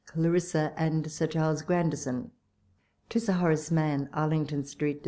" CLARISSA " AXD "SIR CHARLES GRAyVISOX." To Sib Horace Mann. Arlington Street, Dec.